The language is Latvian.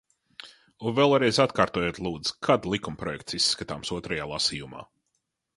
Un vēlreiz atkārtojiet, lūdzu, kad likumprojekts izskatāms otrajā lasījumā.